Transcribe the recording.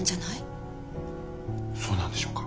そうなんでしょうか。